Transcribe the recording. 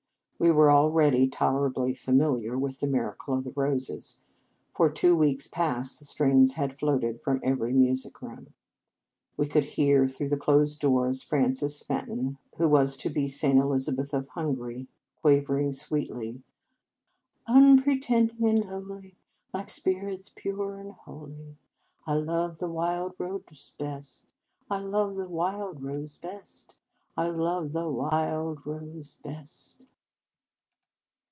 We were already tolerably familiar with " The Miracle of the Roses." For two weeks past the strains had floated from every music room. We could hear, through the closed doors, Frances Fenton, who was to be St. Elizabeth of Hungary, quavering sweetly, "Unpretending and lowly, Like spirits pure and holy, I love the wild rose best, I love the wild rose best, I love the wi i ild rose best."